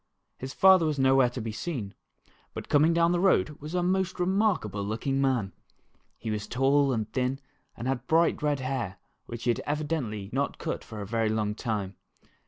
His father was nowhere to be seen, but coming down the road was a most remarkable looking man. He was tall and thin and had bright red hair which had evidently not been cut for a very long time.